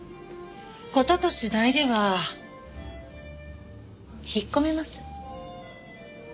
事と次第では引っ込めます。